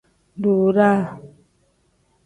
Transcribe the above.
Duuraa.